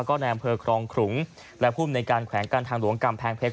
ครองขุงและภูมิในการแขวนกันทางหลวงกำแพงเพชร